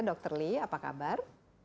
dr li apa kabar